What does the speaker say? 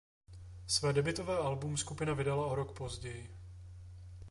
Své debutové album skupina vydala o rok později.